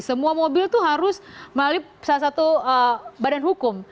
semua mobil itu harus melalui salah satu badan hukum